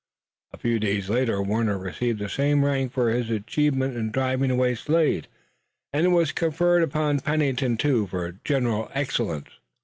A few days later Warner received the same rank for his achievement in driving away Slade, and it was conferred upon Pennington too for general excellence.